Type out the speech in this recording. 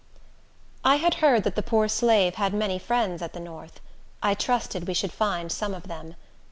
I had heard that the poor slave had many friends at the north. I trusted we should find some of them.